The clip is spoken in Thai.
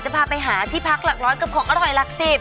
พาไปหาที่พักหลักร้อยกับของอร่อยหลักสิบ